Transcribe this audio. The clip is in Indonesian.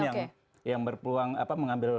yang berpeluang mengambil